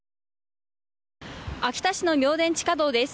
秋田市の明田地下道です。